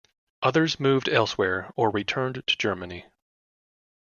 Others moved elsewhere, or returned to Germany.